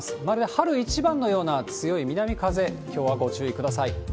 まるで春一番のような強い南風、きょうはご注意ください。